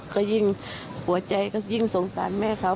ก็ยิ่งหัวใจก็ยิ่งสงสารแม่เขา